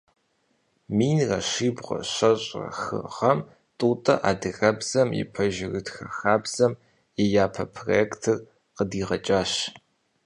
Минрэ щибгъурэ щэщӏрэ хы гъэм Тӏутӏэ адыгэбзэм и пэжырытхэ хабзэм и япэ проектыр къыдигъэкӏащ.